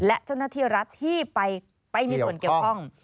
และเจ้าหน้าที่รัฐที่ไปมีส่วนเกี่ยวข้อง